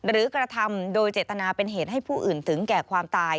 กระทำโดยเจตนาเป็นเหตุให้ผู้อื่นถึงแก่ความตาย